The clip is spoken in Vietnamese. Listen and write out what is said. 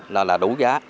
đó là đủ giá